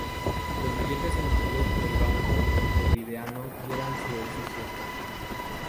Los billetes emitidos por el Banco Montevideano llevan su efigie.